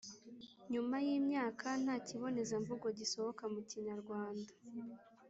Nyuma y’imyaka nta kibonezamvugo gisohoka mu Kinyarwanda